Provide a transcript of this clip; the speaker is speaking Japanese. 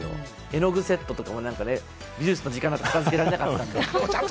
絵の具セットとかもね、美術の時間になると片付けられなかったので。